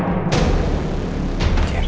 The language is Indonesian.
terus jangan sampai dia lolos